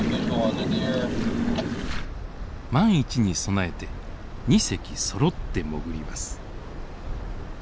万一に備えて２隻そろって潜ります。